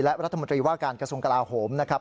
และรัฐมนตรีว่าการกระทรวงกลาโหมนะครับ